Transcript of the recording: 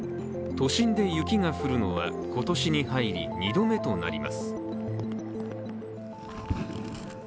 都心で雪が降るのは今年に入り２度目となります。